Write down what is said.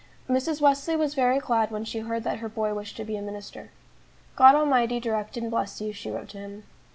Mrs. Wesley was very glad when she heard that her boy wished to be a minister. "God Almighty direct and bless you," she wrote to him.